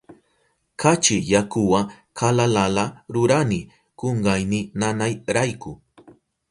Kachi yakuwa kalalala rurani kunkayni nanayrayku.